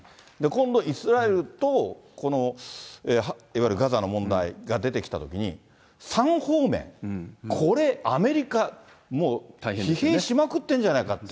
今度イスラエルとこのいわゆるガザの問題が出てきたときに、３方面、これ、アメリカもう疲弊しまくってるんじゃないか。